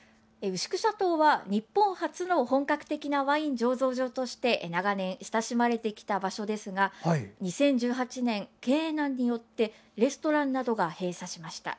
牛久シャトーは、日本初の本格的なワイン醸造場として長年親しまれてきた場所ですが２０１８年、経営難によってレストランなどが閉鎖しました。